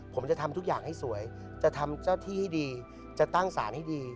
ผมจะทำทุกอย่างให้สวยจะทำเจ้าที่ให้ดีจะตั้งสารให้ดี